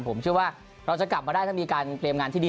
ผมเชื่อว่าเราจะกลับมาได้ถ้ามีการเตรียมงานที่ดี